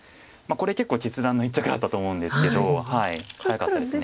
これ結構決断の一着だったと思うんですけど早かったです。